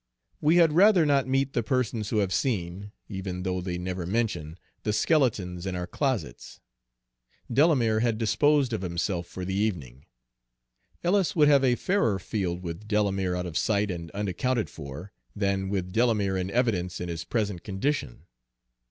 We had rather not meet the persons who have seen, even though they never mention, the skeletons in our closets. Delamere had disposed of himself for the evening. Ellis would have a fairer field with Delamere out of sight and unaccounted for, than with Delamere in evidence in his present condition.